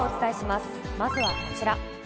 まずはこちら。